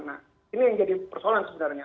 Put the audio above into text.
nah ini yang jadi persoalan sebenarnya